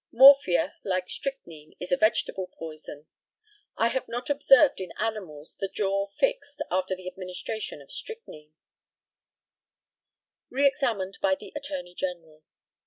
Morphia, like strychnine, is a vegetable poison. I have not observed in animals the jaw fixed after the administration of strychnine. Re examined by the ATTORNEY GENERAL.